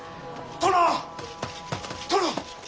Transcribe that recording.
殿。